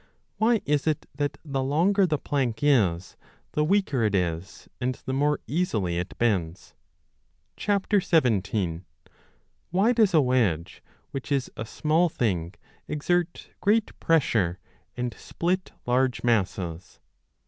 Why is it that the longer the plank is the weaker it is and the more easily it bends ? 17. Why does a wedge, which is a small thing, exert great pressure and split large masses